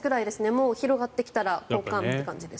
もう広がってきたら交換という感じです。